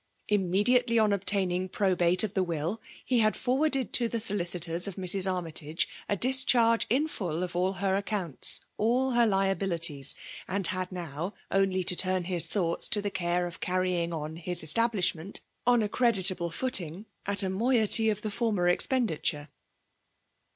Imme diately on obtaining probate of the will, he had forwarded to the solicitors of Mrs. Army iage a discharge in full of all her accounts, — all her liabilities; and had now only to turn his thoughts to the care of carrying on his establishment on a creditable footing, at a moiety of the former expenditure.